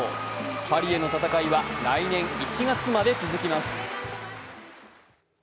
パリへの戦いは来年１月まで続きます。